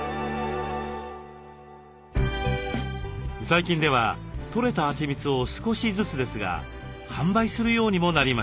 最近ではとれたはちみつを少しずつですが販売するようにもなりました。